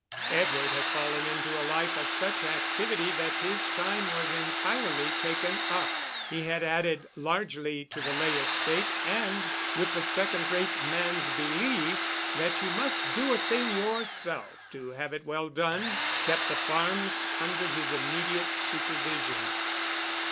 Edward had fallen into a life of such activity that his time was entirely taken up. He had added largely to the Ley estate, and, with the second rate man's belief that you must do a thing yourself to have it well done, kept the farms under his immediate supervision.